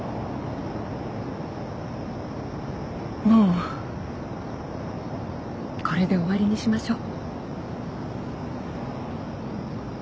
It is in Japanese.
もうこれで終わりにしましょう。